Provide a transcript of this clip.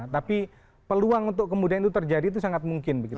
tapi peluang untuk kemudian itu terjadi itu sangat mungkin begitu